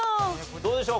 どうでしょう？